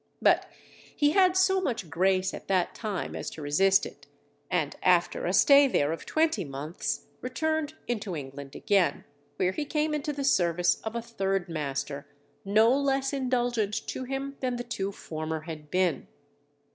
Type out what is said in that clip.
But he had so much grace at that time as to resist it, and after a stay there of twenty months, returned into England again, where he came into the service of a third master, no less indulgent to him than the two former had been.